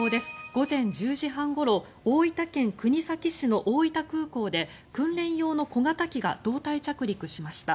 午前１０時半ごろ大分県国東市の大分空港で訓練用の小型機が胴体着陸しました。